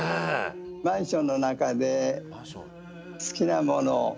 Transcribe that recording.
マンションの中で好きなもの